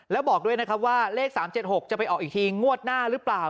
แล้วบอกด้วยนะครับว่าเลข๓๗๖จะไปออกอีกทีงวดหน้าหรือเปล่า